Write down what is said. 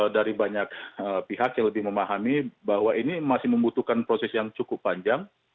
dari banyak pihak yang lebih memahami bahwa ini masih membutuhkan proses yang cukup panjang